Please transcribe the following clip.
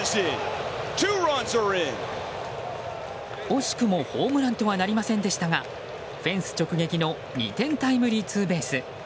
惜しくもホームランとはなりませんでしたがフェンス直撃の２点タイムリーツーベース。